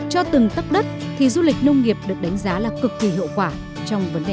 cho từng tấc đất thì du lịch nông nghiệp được đánh giá là cực kỳ hiệu quả trong vấn đề